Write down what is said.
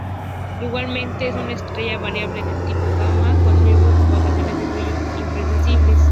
Igualmente es una estrella variable del tipo Gamma Cassiopeiae con variaciones de brillo impredecibles.